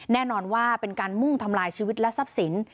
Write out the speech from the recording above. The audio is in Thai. แน่นอนว่าเป็นการมุ่งทำลายชีวิตและทรัพย์สิน